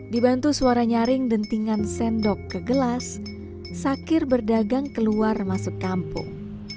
dibantu suara nyaring dentingan sendok ke gelas sakir berdagang keluar masuk kampung